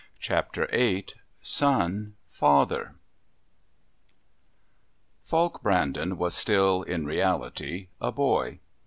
Chapter VIII Son Father Falk Brandon was still, in reality, a boy.